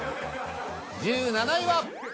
１７位は。